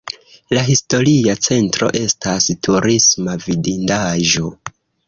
La historia centro estas turisma vidindaĵo.